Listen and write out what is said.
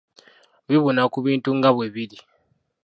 Bibuna ku bintu nga bwe biri .